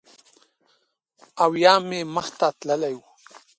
او یا مې مخ ته تللی و